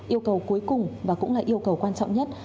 yêu cầu cuối cùng và cũng là yêu cầu quan trọng nhất